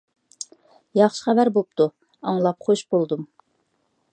ياخشى خەۋەر بوپتۇ، ئاڭلاپ خۇش بولدۇم.